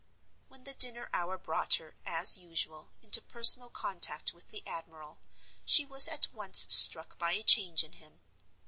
When the dinner hour brought her, as usual, into personal contact with the admiral, she was at once struck by a change in him.